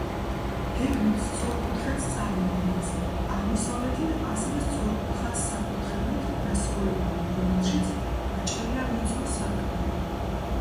გეგმით სწორკუთხედს წარმოადგენს, აღმოსავლეთით ასევე სწორკუთხა საკურთხევლით დასრულებული, რომელშიც გაჭრილია ვიწრო სარკმელი.